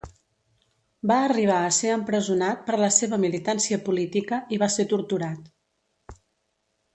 Va arribar a ser empresonat per la seva militància política i va ser torturat.